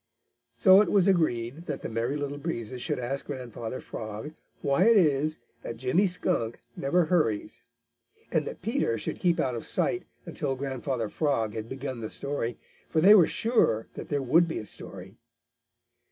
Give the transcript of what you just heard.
So it was agreed that the Merry Little Breezes should ask Grandfather Frog why it is that Jimmy Skunk never hurries, and that Peter should keep out of sight until Grandfather Frog had begun the story, for they were sure that there would be a story.